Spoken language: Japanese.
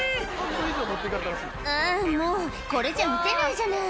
あー、もう、これじゃ打てないじゃない。